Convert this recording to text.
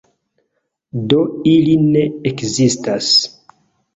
Do ili ne ekzistas.